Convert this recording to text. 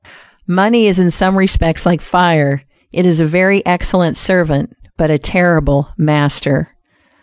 Money is in some respects like fire; it is a very excellent servant but a terrible master.